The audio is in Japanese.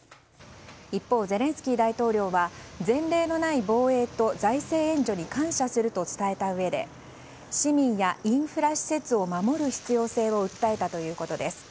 一方、ゼレンスキー大統領は前例のない防衛と財政援助に感謝すると伝えたうえで市民やインフラ施設を守る必要性を訴えたということです。